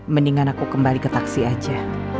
mendingan aku kembali ke taksi aja